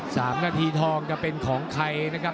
สามนาทีทองจะเป็นของใครนะครับ